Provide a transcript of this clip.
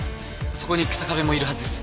そこに日下部もいるはずです。